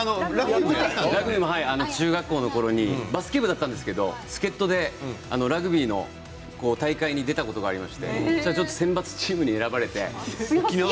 ラグビーも中学校のころにバスケ部だったんですが助っとでラグビーの大会に出たことがありまして選抜チームに選ばれて。